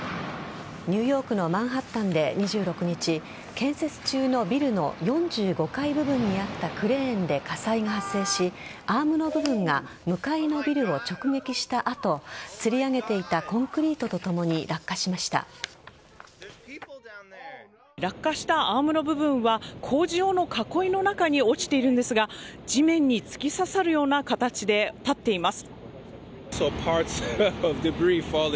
ニューヨークのマンハッタンで２６日建設中のビルの４５階部分にあったクレーンで火災が発生しアームの部分が向かいのビルを直撃した後つり上げていたコンクリートとともに落下したアームの部分は工事用の囲いの中に落ちているんですが地面に突き刺さるような形で立っています。